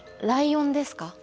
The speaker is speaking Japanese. ライオンですか？